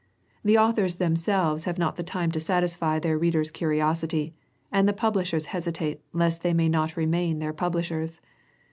The authors themselves have not the time to satisfy their readers' curiosity and their publishers hesitate lest they may not remain their publishers!